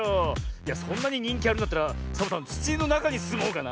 いやそんなににんきあるんだったらサボさんつちのなかにすもうかな。